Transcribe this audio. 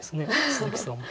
鈴木さんは。